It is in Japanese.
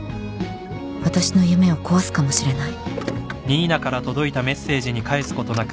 私の夢を壊すかもしれない